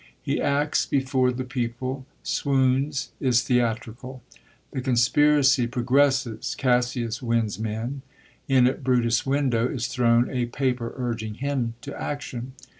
He acts before the people, swoons, is theatrical. The conspiracy progresses. Cassius wins men ; in at Brutus' window is thrown a paper urging him to action.